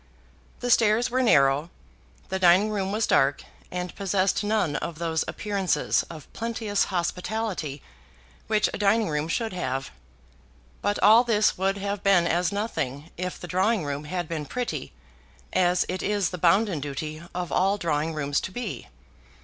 The stairs were narrow; the dining room was dark, and possessed none of those appearances of plenteous hospitality which a dining room should have. But all this would have been as nothing if the drawing room had been pretty as it is the bounden duty of all drawing rooms to be.